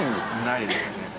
ないですね。